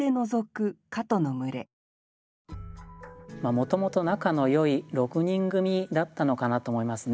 もともと仲のよい六人組だったのかなと思いますね。